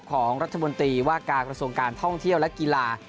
ของรัฐมนตรีว่าการกระทรวงการท่องเที่ยวและกีฬา